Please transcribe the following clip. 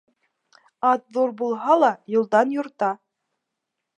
Ат ҙур булһа ла, юлдан юрта;